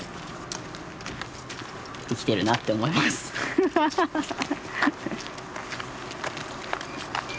ハハハハハッ！